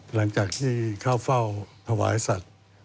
หลังจากที่เข้าเฝ้าถวายสัตว์